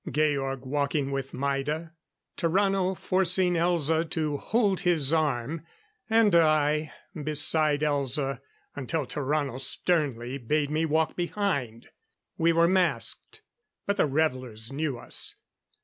Georg walking with Maida; Tarrano forcing Elza to hold his arm; and I, beside Elza until Tarrano sternly bade me walk behind. We were masked, but the revelers knew us.